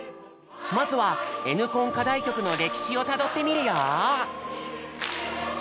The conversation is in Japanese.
まずは「Ｎコン」課題曲の歴史をたどってみるよ！